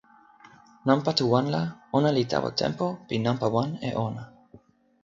nanpa tu wan la, ona li tawa tenpo pi nanpa wan e ona.